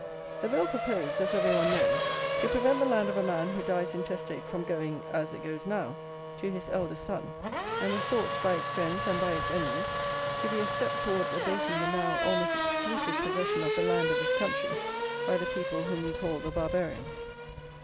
The bill proposed, as every one knows, to prevent the land of a man who dies intestate from going, as it goes now, to his eldest son, and was thought, by its friends and by its enemies, to be a step towards abating the now almost exclusive possession of the land of this country by the people whom we call the Barbarians.